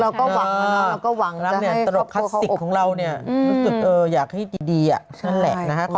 เราก็หวังนะเราก็หวังจะให้ครอบครัวของเราเนี่ยรู้สึกอยากให้ดีอะนั่นแหละนะคะ